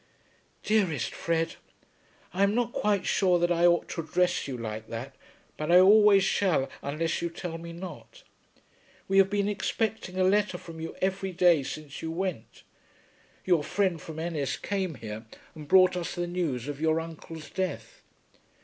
DEAREST FRED, I am not quite sure that I ought to address you like that; but I always shall unless you tell me not. We have been expecting a letter from you every day since you went. Your friend from Ennis came here, and brought us the news of your uncle's death.